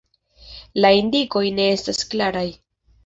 La indikoj ne estas klaraj.